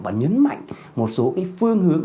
và nhấn mạnh một số phương hướng